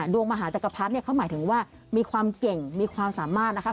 ดวงมหาจักรพรรดิเนี่ยเขาหมายถึงว่ามีความเก่งมีความสามารถนะครับ